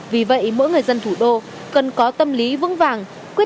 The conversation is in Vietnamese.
vì vậy mỗi người dân thủ đô cần có tâm lý vững vàng